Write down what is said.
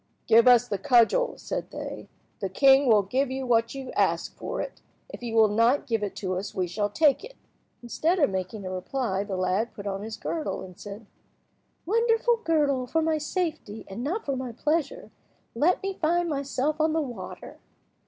"Give us the cudgel," said they. "The king will give you what you ask for it. If you will not give it to us we shall take it." Instead of making a reply, the lad put on his girdle, and said— "Wonderful girdle, for my safety, and not for my pleasure, let me find myself on the water."